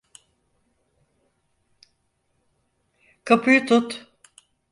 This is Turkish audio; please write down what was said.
Kapıyı tut!